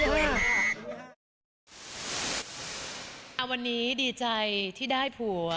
วันนี้ดีใจที่ได้ผัว